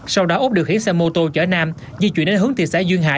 sau đó úc được khiến xe mô tô chở nam di chuyển đến hướng thị xã duyên hải